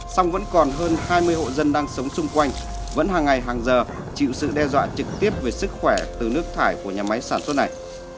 song vẫn còn hơn hai mươi hộ dân đang sống xung quanh vẫn hàng ngày hàng giờ chịu sự đe dọa trực tiếp về sức khỏe từ nước thải của nhà máy sản xuất này